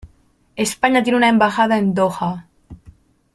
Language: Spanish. España tiene una embajada en Doha.